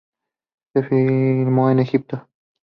Se filmó en Egipto.